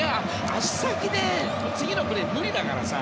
足先で次のプレー無理だからさ。